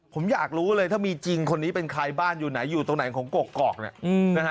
ผมอยากรู้เลยถ้ามีจริงคนนี้เป็นใครบ้านอยู่ไหนอยู่ตรงไหนของกกอกเนี่ยนะฮะ